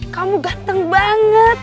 kamu ganteng banget